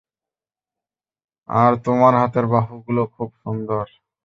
আর তোমার হাতের বাহুগুলো খুব সুন্দর।